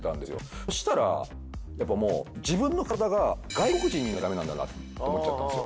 そしたらやっぱもう自分の体が外国人にならなきゃダメなんだなって思っちゃったんですよ。